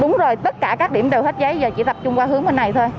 đúng rồi tất cả các điểm đều hết giấy giờ chỉ tập trung qua hướng bên này thôi